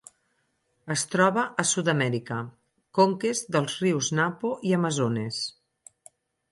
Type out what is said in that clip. Es troba a Sud-amèrica: conques dels rius Napo i Amazones.